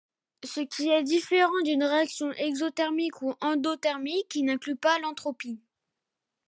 Ce qui est différent d'une réaction exothermique ou endothermique qui n'inclue pas l'entropie.